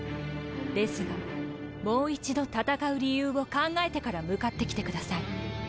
ですがもう一度戦う理由を考えてから向かってきてください。